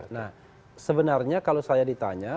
nah sebenarnya kalau saya ditanya